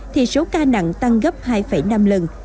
thì số ca nặng tăng gấp hai năm lần